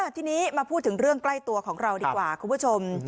ทีนี้มาพูดถึงเรื่องใกล้ตัวของเราดีกว่าคุณผู้ชม